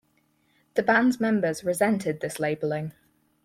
The band's members resented this labelling.